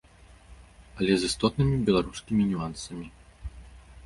Але з істотнымі беларускімі нюансамі.